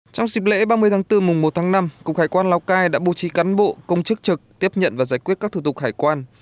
trong dịp lễ ba mươi tháng bốn mùng một tháng năm cục hải quan lào cai đã bố trí cán bộ công chức trực tiếp nhận và giải quyết các thủ tục hải quan